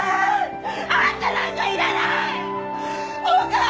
あんたなんかいらない！